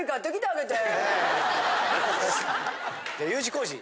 えＵ字工事。